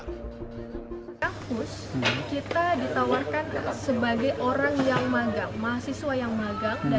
kampus kita ditawarkan sebagai orang yang magang mahasiswa yang magang